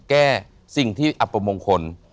แก้สิ่งที่อัปมงคล